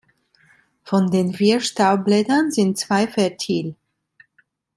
Von den vier Staubblättern sind zwei fertil.